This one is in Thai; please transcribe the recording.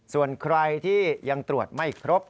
ส่วนใครที่ยังตรวจไม่ครบ